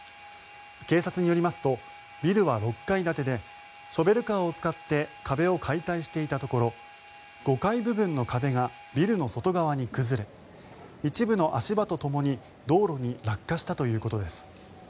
警察によりますとビルは６階建てでショベルカーを使って壁を解体していたところ５階部分の壁がビルの外側に崩れ一部の足場とともに道路に落下したということです。